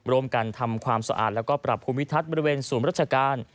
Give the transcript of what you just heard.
รวมกันทำความสะอาดและปรับความคุมวิทัศน์บริเวณศูนย์ราชการ